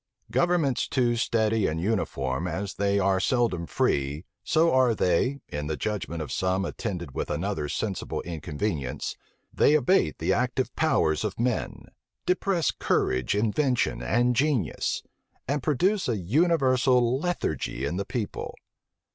Governments too steady and uniform as they are seldom free, so are they, in the judgment of some attended with another sensible inconvenience: they abate the active powers of men; depress courage, invention, and genius; and produce a universal lethargy in the people.